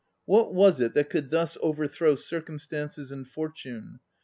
... What was it that could thus over throw circumstances and fortune?